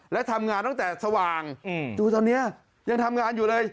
และทำงานตั้งแต่สว่างดูตอนนี้ยังทำงานอยู่เลย